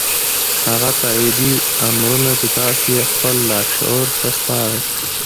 هغه تاييدي امرونه چې تاسې يې خپل لاشعور ته سپارئ.